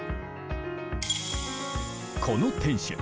この天守